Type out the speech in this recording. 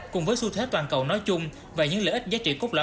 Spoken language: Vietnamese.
cùng với xu thế toàn cầu nói chung và những lợi ích giá trị cốt lõi